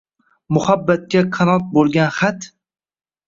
Muhabbatga qanot bo’lgan xat?